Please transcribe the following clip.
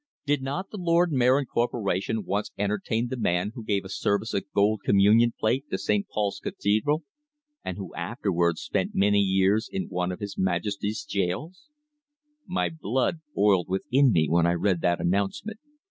Did not the Lord Mayor and Corporation once entertain the man who gave a service of gold communion plate to St. Paul's Cathedral, and who afterwards spent many years in one of His Majesty's gaols? My blood boiled within me when I read that announcement.